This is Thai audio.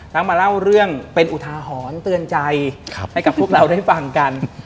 มาเล่าเรื่องเป็นอุทาหรณ์เตือนใจให้กับพวกเราได้ฟังกัน